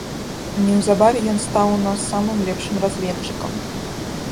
Неўзабаве ён стаў у нас самым лепшым разведчыкам.